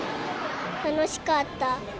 楽しかった。